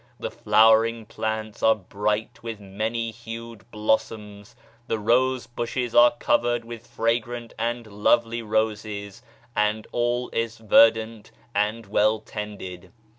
The flowering plants are bright with many hued blossoms ; the rose bushes are covered with fragrant and lovely roses and all is verdant and well tended.